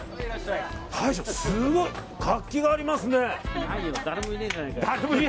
大将、すごい活気がありますね。